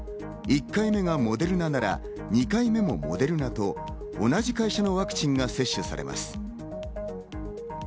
１回目がモデルナなら２回目もモデルナと、同じ会社のワクチンが接種されます。